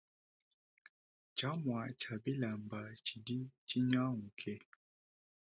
Tshiamua tshia bilamba tshidi tshinyanguke.